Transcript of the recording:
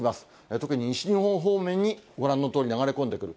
特に西日本方面にご覧のとおり流れ込んでくる。